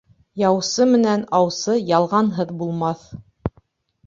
Яусы менән аусы ялғанһыҙ булмаҫ.